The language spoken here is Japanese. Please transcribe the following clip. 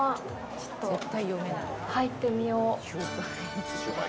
ちょっと入ってみよう。